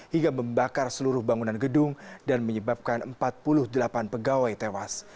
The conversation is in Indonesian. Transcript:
hingga membakar seluruh bangunan gedung dan menyebabkan empat puluh delapan pegawai tewas